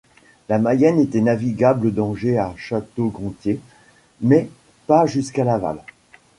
La Mayenne était navigable d'Angers à Château-Gontier; mais pas jusqu'à Laval.